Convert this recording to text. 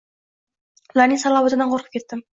Ularning salobatidan qoʻrqib ketdim